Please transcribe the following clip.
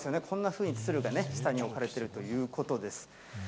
こんなふうにツルがね、下に置かれているということです。